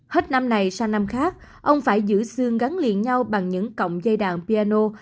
hết năm này sang năm khác ông phải giữ xương gắn liền nhau bằng những cọng dây đàn piano